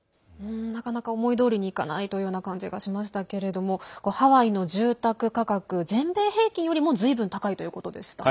なかなか思いどおりにいかないというような感じがしましたがハワイの住宅価格全米平均よりもずいぶん高いということでしたね。